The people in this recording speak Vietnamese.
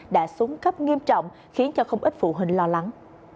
đã xuống cấp nghiêm trọng khiến cho không ít phụ huynh lo lắng